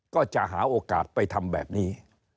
ก็จะหาโอกาสไปทำแบบนี้